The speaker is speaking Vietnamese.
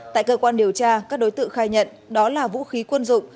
tại cơ quan điều tra các đối tượng khai nhận đó là vũ khí quân dụng